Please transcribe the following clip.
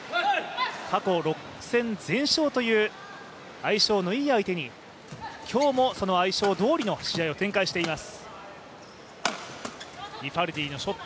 過去６戦全勝という相性のいい相手に今日も相性どおりの試合を展開しています。